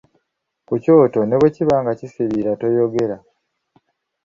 Ku kyoto ne bwe kiba nga kisiriira, toyogera.